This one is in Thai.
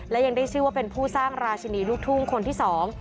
และยังได้ชื่อว่าเป็นผู้สร้างราชินีลูกทุ่งคนที่สอง